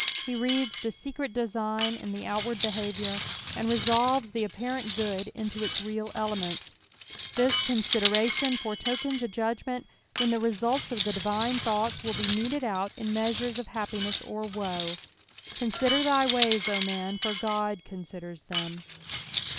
He reada the secret design in the outward behaviour, and resolves the apparent good into its real elements. This consideration foretokens a judg ■Dent when the results of the divine tlioughts will be meted out in measures of ba^piness or woe. Consider thy ways, O man, for Qod considers them